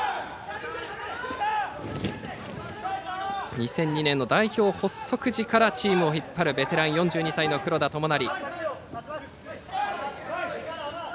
２００２年の代表発足時からチームを引っ張るベテラン、４２歳の黒田智成。